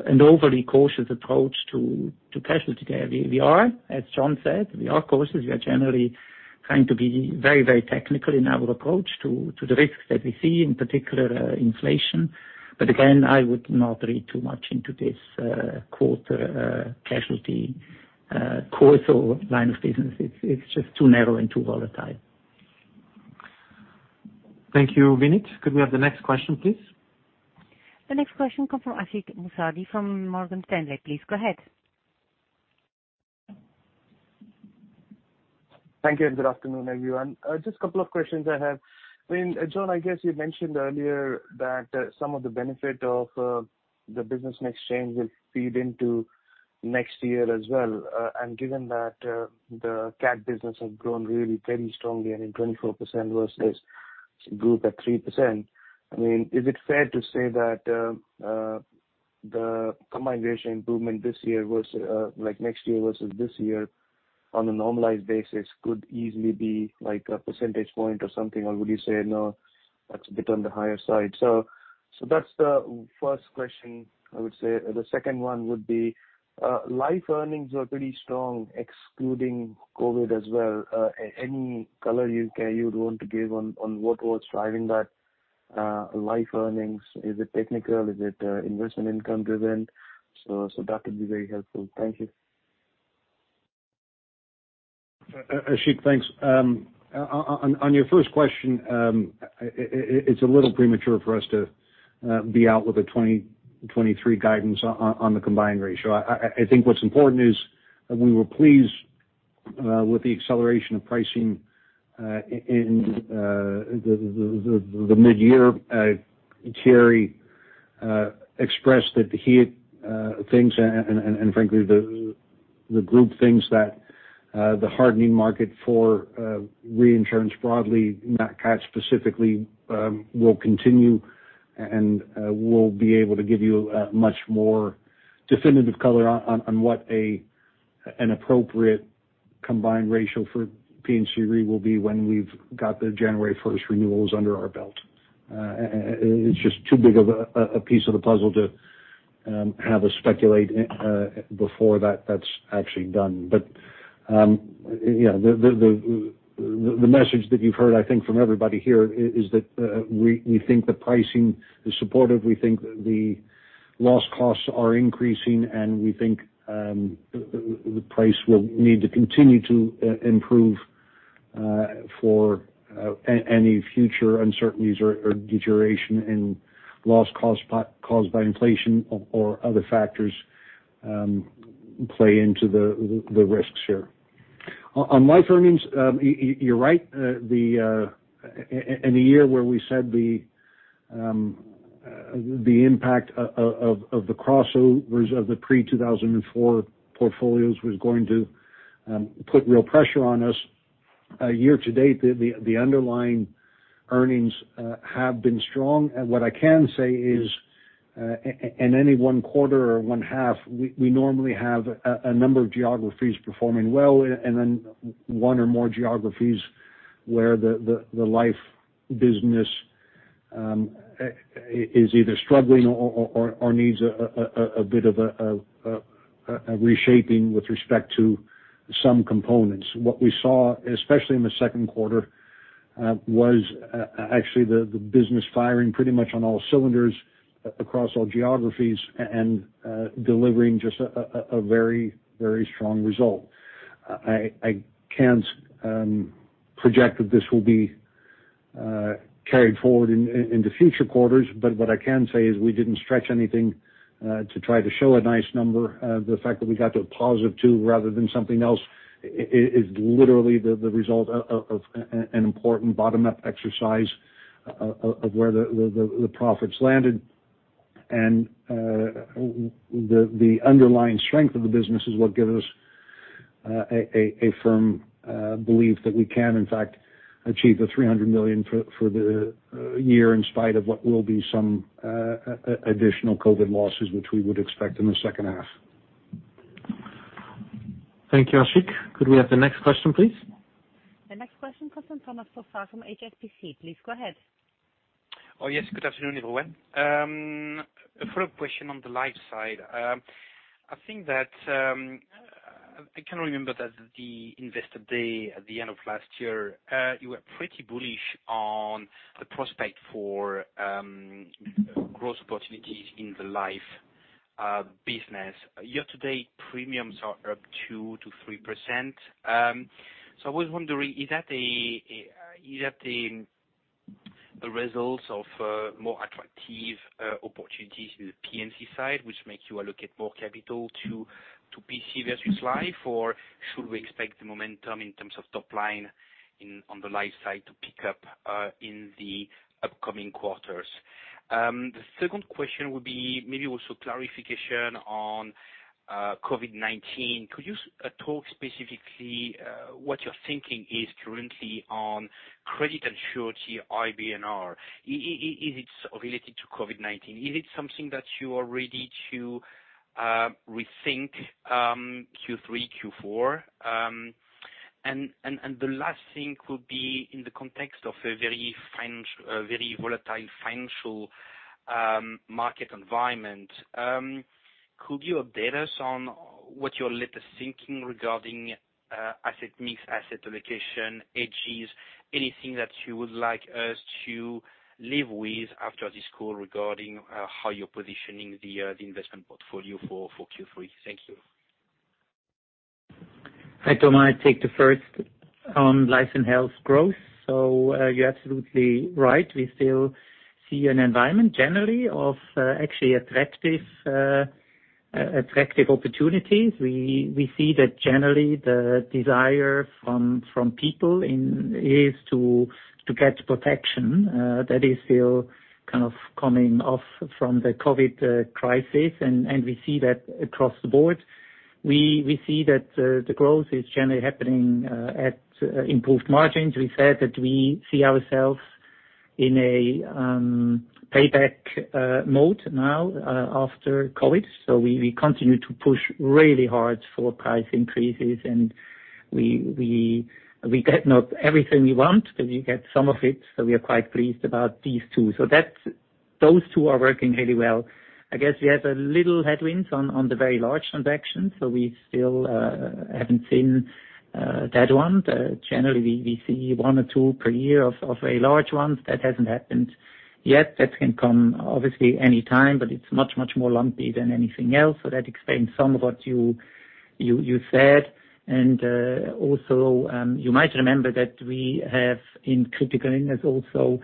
[SPEAKER 5] an overly cautious approach to casualty. We are, as John said, we are cautious. We are generally trying to be very technical in our approach to the risks that we see, in particular, inflation. Again, I would not read too much into this quarter, casualty line of business. It's just too narrow and too volatile.
[SPEAKER 3] Thank you, Vinit. Could we have the next question, please?
[SPEAKER 1] The next question comes from Ashik Musaddi from Morgan Stanley. Please go ahead.
[SPEAKER 12] Thank you, and good afternoon, everyone. Just a couple of questions I have. I mean, John, I guess you mentioned earlier that some of the benefit of the business mix change will feed into next year as well. Given that, the cat business has grown really very strongly at a 24% versus group at 3%, I mean, is it fair to say that the combined ratio improvement this year versus like next year versus this year on a normalized basis could easily be like a percentage point or something? Or would you say, no, that's a bit on the higher side? That's the first question, I would say. The second one would be, life earnings are pretty strong, excluding COVID as well. Any color you'd want to give on what was driving that life earnings? Is it technical? Is it investment income driven? That would be very helpful. Thank you.
[SPEAKER 6] Ashik, thanks. On your first question, it's a little premature for us to be out with a 2023 guidance on the combined ratio. I think what's important is that we were pleased with the acceleration of pricing in the midyear. Thierry expressed that he thinks, and frankly, the group thinks that the hardening market for reinsurance broadly, not cat specifically, will continue. We'll be able to give you a much more definitive color on what an appropriate combined ratio for P&C Re will be when we've got the January first renewals under our belt. It's just too big of a piece of the puzzle to have us speculate before that's actually done. Yeah, the message that you've heard, I think, from everybody here is that we think the pricing is supportive. We think the loss costs are increasing, and we think the price will need to continue to improve for any future uncertainties or deterioration in loss costs caused by inflation or other factors play into the risks here. On life earnings, you're right. In a year where we said the impact of the crossovers of the pre-2004 portfolios was going to put real pressure on us. Year to date, the underlying earnings have been strong. What I can say is, in any one quarter or one half, we normally have a number of geographies performing well, and then one or more geographies where the life business is either struggling or needs a bit of a reshaping with respect to some components. What we saw, especially in the second quarter, was actually the business firing pretty much on all cylinders across all geographies and delivering just a very strong result. I can't project that this will be carried forward into future quarters, but what I can say is we didn't stretch anything to try to show a nice number. The fact that we got to a positive 2 rather than something else is literally the result of an important bottom-up exercise of where the profits landed. The underlying strength of the business is what gives us a firm belief that we can in fact achieve 300 million for the year, in spite of what will be some additional COVID losses which we would expect in the second half.
[SPEAKER 5] Thank you, Ashik. Could we have the next question, please?
[SPEAKER 1] The next question comes from Thomas Fossard from HSBC. Please go ahead.
[SPEAKER 13] Oh, yes. Good afternoon, everyone. A follow-up question on the life side. I think that I can remember that the Investors' Day at the end of last year you were pretty bullish on the prospect for growth opportunities in the life business. Year-to-date, premiums are up 2%-3%. So I was wondering, is that the results of more attractive opportunities in the P&C side, which makes you allocate more capital to P&C as opposed to life? Or should we expect the momentum in terms of top line on the life side to pick up in the upcoming quarters? The second question would be maybe also clarification on COVID-19. Could you talk specifically what your thinking is currently on credit and surety IBNR?
[SPEAKER 3] Is it related to COVID-19? Is it something that you are ready to rethink Q3, Q4? And the last thing could be in the context of a very volatile financial market environment. Could you update us on what your latest thinking regarding asset mix, asset allocation, hedges, anything that you would like us to leave with after this call regarding how you're positioning the investment portfolio for Q3? Thank you.
[SPEAKER 5] Hi, Thomas. I'll take the first on Life and Health growth. You're absolutely right. We still see an environment generally of actually attractive opportunities. We see that generally the desire from people in is to get protection that is still kind of coming off from the COVID crisis. We see that across the board. We see that the growth is generally happening at improved margins. We said that we see ourselves in a payback mode now after COVID. We continue to push really hard for price increases, and we get not everything we want, but we get some of it, so we are quite pleased about these two. Those two are working really well. I guess we had a little headwinds on the very large transactions, so we still haven't seen that one. Generally we see one or two per year of large ones. That hasn't happened yet. That can come obviously any time, but it's much more lumpy than anything else. That explains some of what you said. Also, you might remember that we have in critical illness also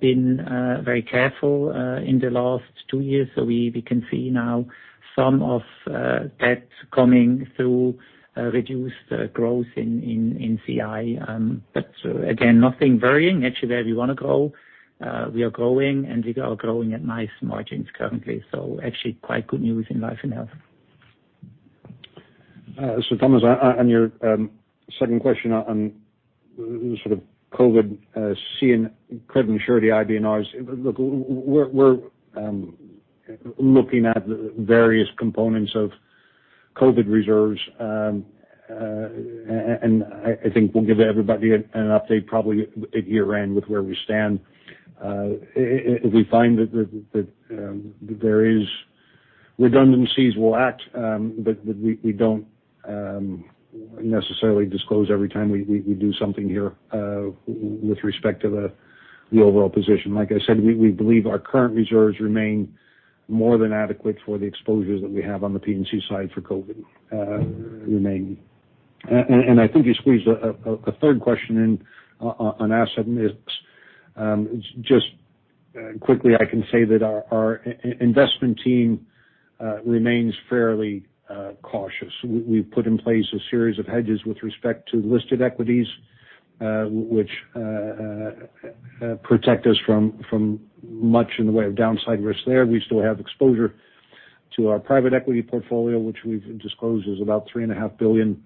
[SPEAKER 5] been very careful in the last two years. We can see now some of that coming through reduced growth in CI. Again, nothing varying. Actually, where we wanna grow, we are growing, and we are growing at nice margins currently. Actually quite good news in Life and Health.
[SPEAKER 6] Thomas, on your second question on sort of COVID and credit and surety IBNRs, look, we're looking at various components of COVID reserves, and I think we'll give everybody an update probably at year-end with where we stand. If we find that there is redundancies, we'll act, but we don't necessarily disclose every time we do something here with respect to the overall position. Like I said, we believe our current reserves remain more than adequate for the exposures that we have on the P&C side for COVID remaining. I think you squeezed a third question in on asset mix. Just quickly, I can say that our investment team remains fairly cautious. We've put in place a series of hedges with respect to listed equities, which protect us from much in the way of downside risk there. We still have exposure to our private equity portfolio, which we've disclosed is about 3.5 billion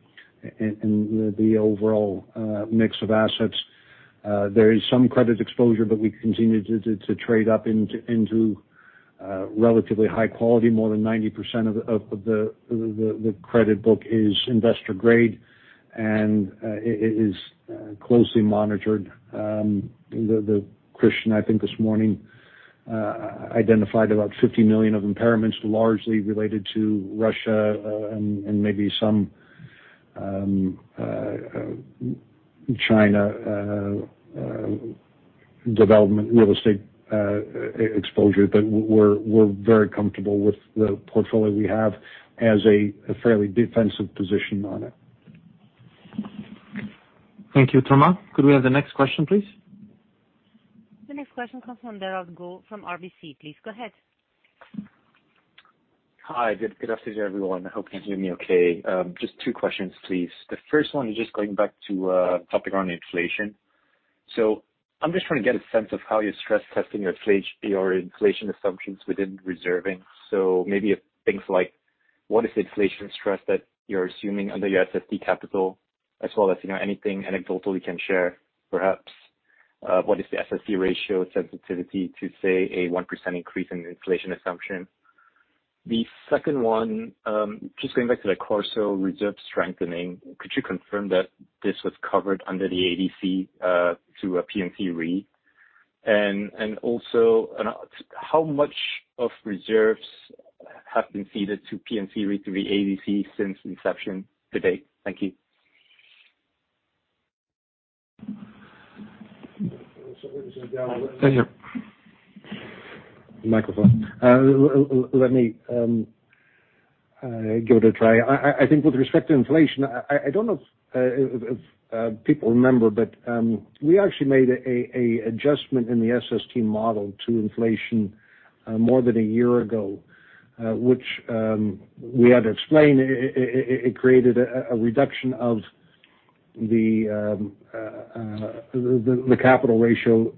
[SPEAKER 6] in the overall mix of assets. There is some credit exposure, but we continue to trade up into relatively high quality. More than 90% of the credit book is investment grade and is closely monitored. Christian, I think this morning, identified about 50 million of impairments largely related to Russia and maybe some China real estate development exposure. We're very comfortable with the portfolio we have as a fairly defensive position on it.
[SPEAKER 5] Thank you, Thomas. Could we have the next question, please?
[SPEAKER 1] The next question comes from Daryl Guo from RBC. Please go ahead.
[SPEAKER 14] Hi, good afternoon everyone. I hope you can hear me okay. Just two questions, please. The first one is just going back to topic on inflation. So I'm just trying to get a sense of how you're stress testing your inflation assumptions within reserving. So maybe things like what is the inflation stress that you're assuming under your SST capital, as well as, you know, anything anecdotally you can share, perhaps what is the SST ratio sensitivity to, say, a 1% increase in inflation assumption? The second one, just going back to the CorSo reserve strengthening, could you confirm that this was covered under the ADC through a P&C Re? And also, how much of reserves have been ceded to P&C Re through the ADC since inception to date? Thank you.
[SPEAKER 6] Let me give it a try. I think with respect to inflation, I don't know if people remember, but we actually made an adjustment in the SST model to inflation more than a year ago, which we had explained it created a reduction of the capital ratio,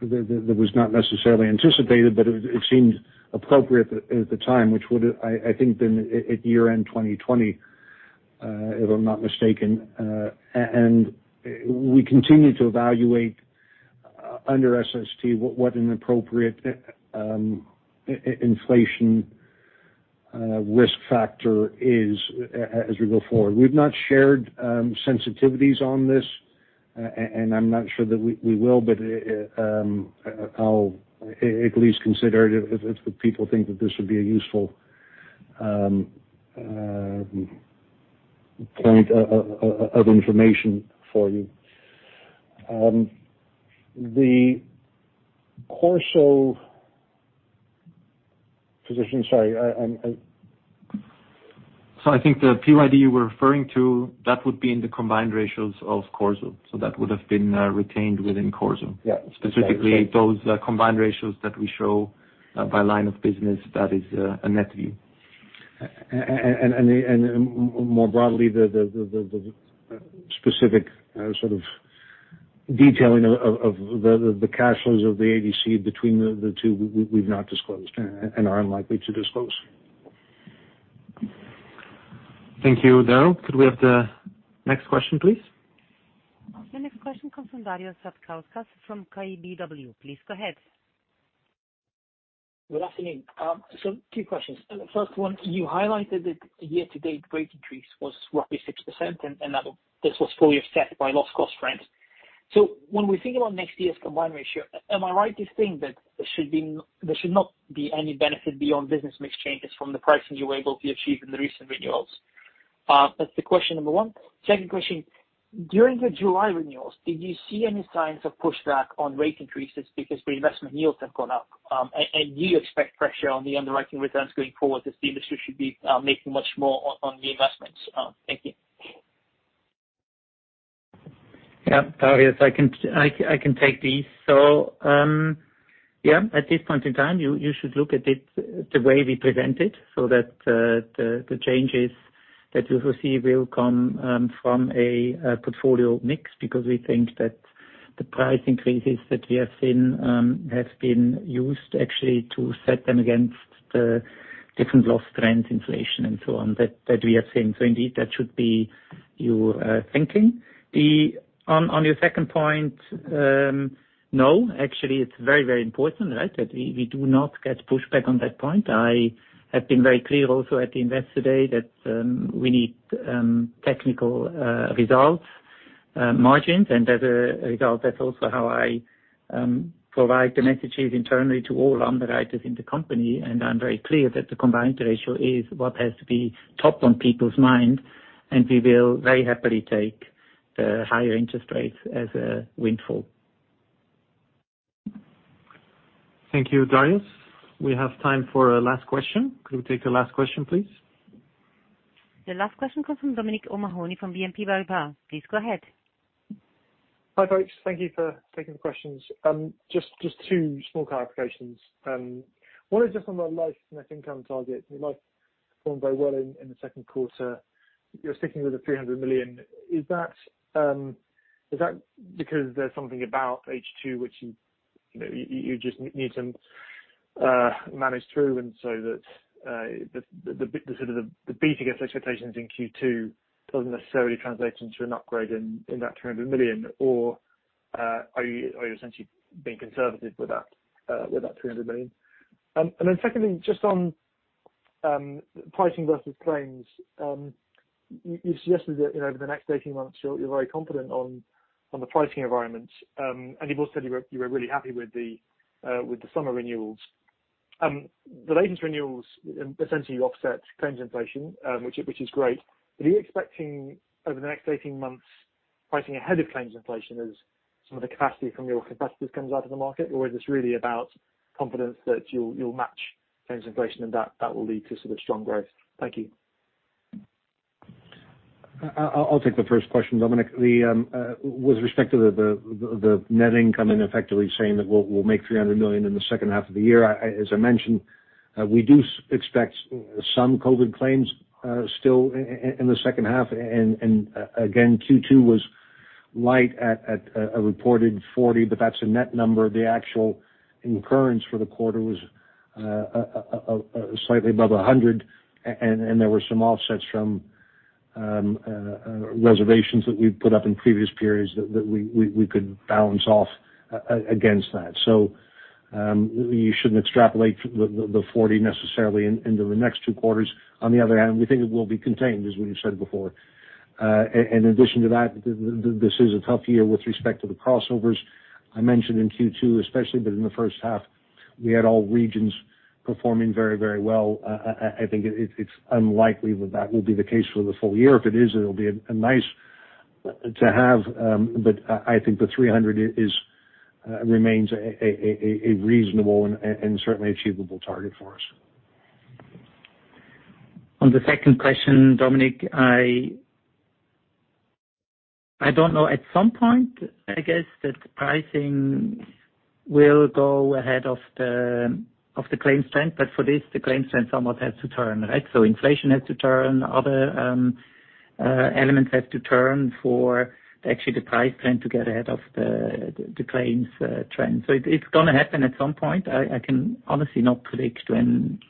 [SPEAKER 6] that was not necessarily anticipated, but it seemed appropriate at the time, which would I think been at year-end 2020, if I'm not mistaken. We continue to evaluate under SST what an appropriate inflation risk factor is as we go forward. We've not shared sensitivities on this. I'm not sure that we will, but I'll at least consider it if people think that this would be a useful point of information for you. The CorSo position. Sorry, I'm
[SPEAKER 5] I think the PYD you were referring to, that would be in the combined ratios of Corporate Solutions. That would've been retained within Corporate Solutions.
[SPEAKER 6] Yeah.
[SPEAKER 5] Specifically, those combined ratios that we show by line of business, that is, a net view.
[SPEAKER 6] More broadly, the specific sort of detailing of the cash flows of the ADC between the two, we've not disclosed and are unlikely to disclose.
[SPEAKER 5] Thank you, Daryl. Could we have the next question, please?
[SPEAKER 1] The next question comes from Darius Satkauskas from KBW. Please go ahead.
[SPEAKER 15] Good afternoon. Two questions. First one, you highlighted that the year-to-date rate increase was roughly 6%, and that this was fully offset by loss cost trends. When we think about next year's combined ratio, am I right to think that there should not be any benefit beyond business mix changes from the pricing you were able to achieve in the recent renewals? That's the question number one. Second question: during the July renewals, did you see any signs of pushback on rate increases because reinvestment yields have gone up? And do you expect pressure on the underwriting returns going forward as the industry should be making much more on the investments? Thank you.
[SPEAKER 6] Yeah. Darius, I can take these. Yeah, at this point in time, you should look at it the way we present it, so that the changes that you'll see will come from a portfolio mix because we think that the price increases that we have seen have been used actually to set them against the different loss trends, inflation and so on, that we have seen. Indeed, that should be your thinking. On your second point, no, actually, it's very, very important, right, that we do not get pushback on that point. I have been very clear also at the Investors' Day that we need technical results, margins. As a result, that's also how I provide the messages internally to all underwriters in the company, and I'm very clear that the combined ratio is what has to be top on people's mind, and we will very happily take the higher interest rates as a windfall.
[SPEAKER 5] Thank you, Darius. We have time for a last question. Could we take the last question, please?
[SPEAKER 1] The last question comes from Dominic O'Mahony from BNP Paribas. Please go ahead.
[SPEAKER 16] Hi, folks. Thank you for taking the questions. Just two small clarifications. One is just on the life net income target. Your life performed very well in the second quarter. You're sticking with the 300 million. Is that because there's something about H2 which you know you just need to manage through, and so that the sort of beating expectations in Q2 doesn't necessarily translate into an upgrade in that 300 million? Or are you essentially being conservative with that 300 million? Secondly, just on pricing versus claims. You suggested that, you know, over the next 18 months, you're very confident on the pricing environment. You've also said you were really happy with the summer renewals. The latest renewals, essentially you offset claims inflation, which is great. Are you expecting over the next 18 months, pricing ahead of claims inflation as some of the capacity from your competitors comes out of the market, or is this really about confidence that you'll match claims inflation and that will lead to sort of strong growth? Thank you.
[SPEAKER 6] I'll take the first question, Dominic. With respect to the net income and effectively saying that we'll make 300 million in the second half of the year, as I mentioned, we do expect some COVID claims still in the second half. Again, Q2 was light at a reported 40 million, but that's a net number. The actual incurrence for the quarter was slightly above 100 million, and there were some offsets from reserves that we'd put up in previous periods that we could balance off against that. You shouldn't extrapolate the 40 necessarily into the next two quarters. On the other hand, we think it will be contained, as we just said before. In addition to that, this is a tough year with respect to the crossovers I mentioned in Q2 especially. In the first half, we had all regions performing very, very well. I think it's unlikely that it will be the case for the full year. If it is, it'll be a nice to have. I think 300 remains a reasonable and certainly achievable target for us.
[SPEAKER 5] On the second question, Dominic, I don't know. At some point, I guess that pricing will go ahead of the claims trend, but for this, the claims trend somewhat has to turn, right? Inflation has to turn, other elements have to turn for actually the price trend to get ahead of the claims trend. It's gonna happen at some point. I can honestly not predict when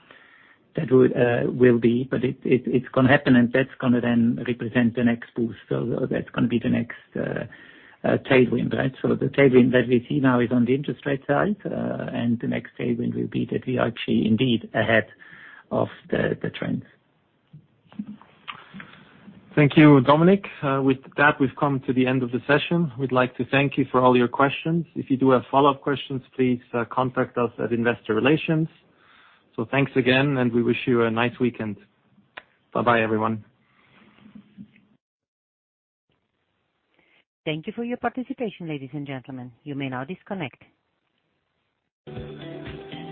[SPEAKER 5] that will be, but it's gonna happen, and that's gonna then represent the next boost. That's gonna be the next tailwind, right? The tailwind that we see now is on the interest rate side. The next tailwind will be that we are actually indeed ahead of the trends. Thank you, Dominic. With that, we've come to the end of the session.
[SPEAKER 2] We'd like to thank you for all your questions. If you do have follow-up questions, please, contact us at Investor Relations. Thanks again, and we wish you a nice weekend. Bye-bye, everyone.
[SPEAKER 1] Thank you for your participation, ladies and gentlemen. You may now disconnect.